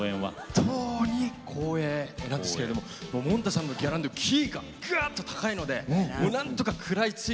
本当に光栄なんですけれどももんたさんの「ギャランドゥ」キーがガーッと高いのでなんとか食らいついて。